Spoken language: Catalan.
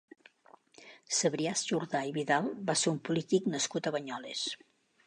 Cebrià Jordà i Vidal va ser un polític nascut a Banyoles.